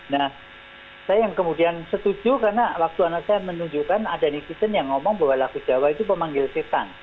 nah saya yang kemudian setuju karena waktu anak saya menunjukkan ada netizen yang ngomong bahwa lagu jawa itu pemanggil setan